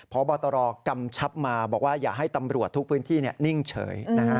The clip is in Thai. พบตรกำชับมาบอกว่าอย่าให้ตำรวจทุกพื้นที่นิ่งเฉย